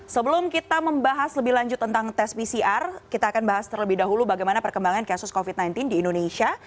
sebelum kita membahas lebih lanjut tentang tes pcr kita akan bahas terlebih dahulu bagaimana perkembangan kasus covid sembilan belas di indonesia